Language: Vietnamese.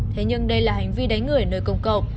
thế nhưng đây là hành vi đánh người nơi công cộng